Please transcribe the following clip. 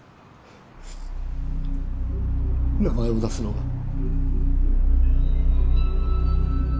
名前を出すのが。